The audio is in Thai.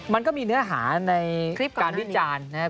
มันก็มีเนื้อหาในการวิจารณ์นะครับ